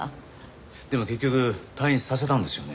でも結局退院させたんですよね？